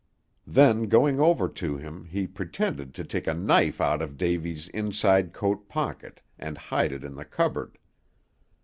Then going over to him, he pretended to take a knife out of Davy's inside coat pocket, and hide it in the cupboard).